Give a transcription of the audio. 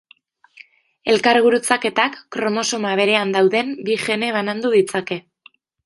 Elkargurutzaketak kromosoma berean dauden bi gene banandu ditzake.